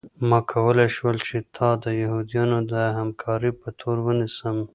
ما کولی شول چې تا د یهودانو د همکارۍ په تور ونیسم